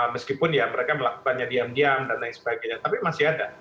meskipun ya mereka melakukannya diam diam dan lain sebagainya tapi masih ada